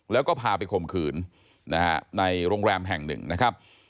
แล้วก็พาไปข่มขืนนะฮะในโรงแรมแห่งหนึ่งนะครับ